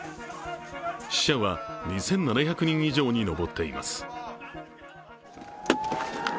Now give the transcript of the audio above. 死者は２７００人以上に上っています。